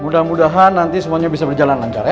mudah mudahan nanti semuanya bisa berjalan lancar ya